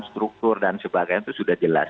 struktur dan sebagainya itu sudah jelas